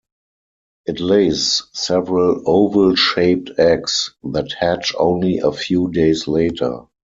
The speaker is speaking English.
It lays several oval-shaped eggs that hatch only a few days later.